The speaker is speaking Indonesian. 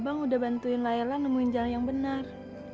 bang udah bantuin layla nemuin jalan yang benar